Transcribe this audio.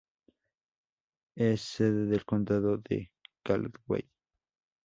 Es sede del condado de Caldwell.